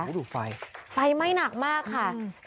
โอ้ดูไฟไฟไหม้หนักมากค่ะอืม